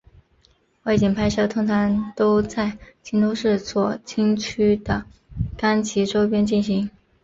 外景拍摄通常都在京都市左京区的冈崎周边进行。